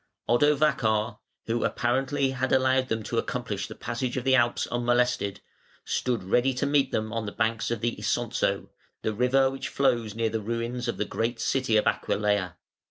Odovacar, who apparently had allowed them to accomplish the passage of the Alps unmolested, stood ready to meet them on the banks of the Isonzo, the river which flows near the ruins of the great city of Aquileia.